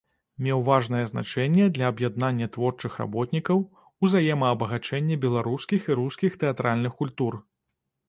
Меў важнае значэнне для аб'яднання творчых работнікаў, узаемаабагачэння беларускіх і рускіх тэатральных культур.